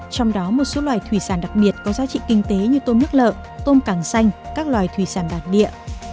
trong đó một số loài thủy sản đặc biệt có giá trị kinh tế như tôm nước lợ tôm càng xanh các loài thủy sản đặc địa